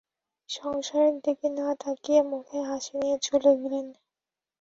সংসারের দিকে না তাকিয়ে মুখে হাসি নিয়ে চলে গেলেন।